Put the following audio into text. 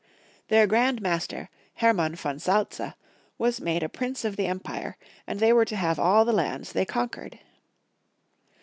Their Grand Master, Herman von Salza, was made a Friedrieh U. 171 prince of the empire, and they were to have all the lands they conquered.